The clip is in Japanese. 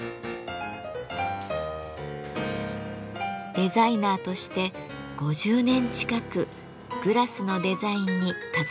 デザイナーとして５０年近くグラスのデザインに携わってきました。